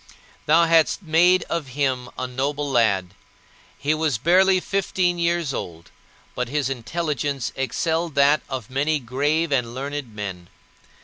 Thou hadst made of him a noble lad. He was barely fifteen years old, but his intelligence excelled that of many grave and learned men.